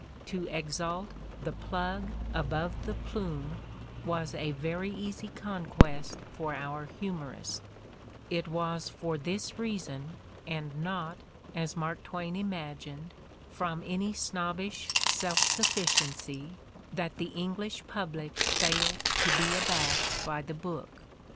To exalt the plug above the plume was a very easy conquest for our humorist; it was for this reason, and not, as Mark Twain imag ined, from any snobbish self sufScieney, that the Eng lish public failed to be abashed by the book.